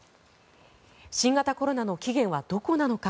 新型コロナの起源はどこなのか。